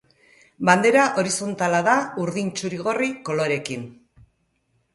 Bandera horizontala da urdin-txuri-gorri koloreekin.